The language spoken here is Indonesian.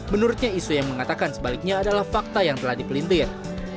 menurutnya isu yang mengatakan sebaliknya adalah fakta yang telah dipelintir